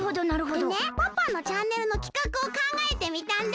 でねパパのチャンネルのきかくをかんがえてみたんだ！